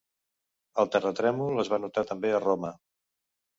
El terratrèmol es va notar també a Roma.